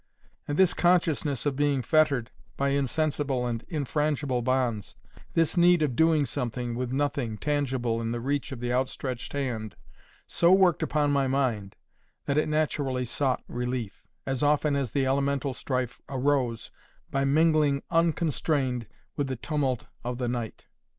And this consciousness of being fettered by insensible and infrangible bonds, this need of doing something with nothing tangible in the reach of the outstretched hand, so worked upon my mind, that it naturally sought relief, as often as the elemental strife arose, by mingling unconstrained with the tumult of the night.